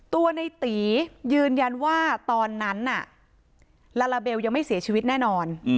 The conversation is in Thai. ตัวในตียืนยันว่าตอนนั้นน่ะลาลาเบลยังไม่เสียชีวิตแน่นอน